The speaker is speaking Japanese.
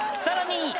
［さらに］